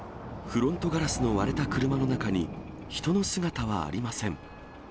フロントガラスの割れた車の中に人の姿はありません。